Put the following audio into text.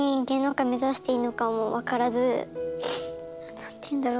何ていうんだろう。